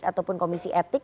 ataupun komisi etik